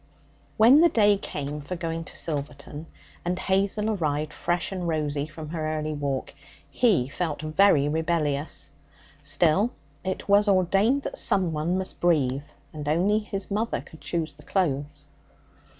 When the day came for going to Silverton, and Hazel arrived fresh and rosy from her early walk, he felt very rebellious. Still, it was ordained that someone must breathe, and only his mother could choose the clothes.